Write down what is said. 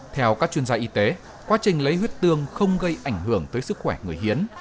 theo các chuyên gia y tế quá trình lấy huyết tương không gây ảnh hưởng tới sức khỏe người hiến